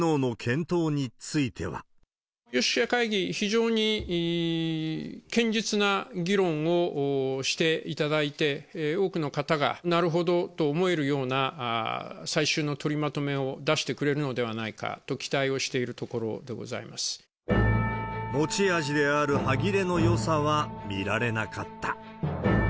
有識者会議、非常に非常に堅実な議論をしていただいて、多くの方がなるほどと思えるような、最終の取りまとめを出してくれるのではないかと期待をしていると持ち味である歯切れのよさは見られなかった。